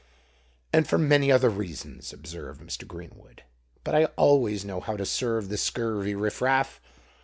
"And for many other reasons," observed Mr. Greenwood. "But I always know how to serve the scurvy riff raff.